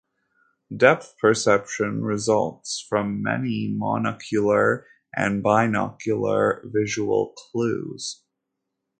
Depth perception results from many monocular and binocular visual clues.